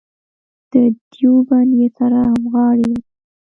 د دیوبند سره همغاړې وه.